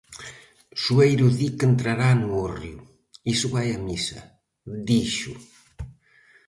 Sueiro di que entrará no Hórreo, "iso vai a misa", dixo.